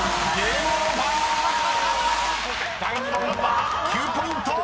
［第２問は９ポイント！］